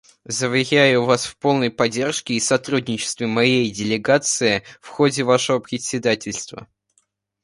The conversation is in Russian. Заверяю вас в полной поддержке и сотрудничестве моей делегации в ходе вашего председательства.